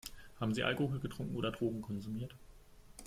Haben Sie Alkohol getrunken oder Drogen konsumiert?